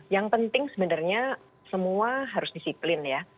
yang penting sebenarnya semua harus disiplin ya